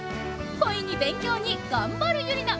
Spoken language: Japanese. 恋に勉強に頑張るユリナ！